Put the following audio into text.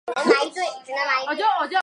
天钿女命。